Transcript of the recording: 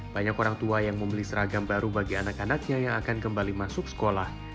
banyak orang tua yang membeli seragam baru bagi anak anaknya yang akan kembali masuk sekolah